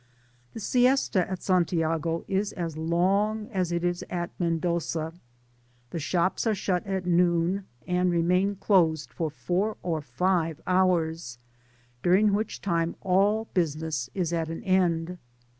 The siesta at Santiago is as long as it is at Mendoza. The shops are shut at noon, and rem^n closed for four or five hours, during which time all business is at an end.